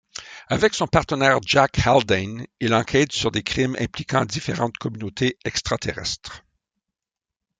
Avec son partenaire Jack Haldane, il enquête sur des crimes impliquant différentes communautés extra-terrestres.